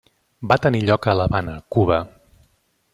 Va tenir lloc a l'Havana, Cuba.